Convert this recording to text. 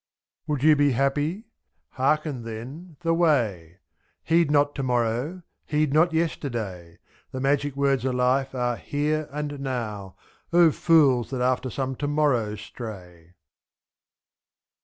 Would you be happy! hearken, then, the way: Heed not To morrow, heed not Yesterday; <^ f.The magic words of life are Here and Now — O fools, that after some to morrow stray!